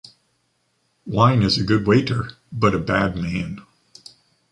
Wine is a good waiter, but a bad man.